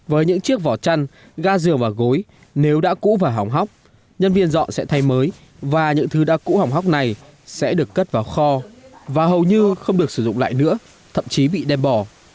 với những chiếc vỏ chăn ga diều và gối nếu đã cũ và hỏng hóc nhân viên dọ sẽ thay mới và những thứ đã cũ hỏng hóc này sẽ được cất vào kho và hầu như không được sử dụng lại nữa thậm chí bị đem bỏ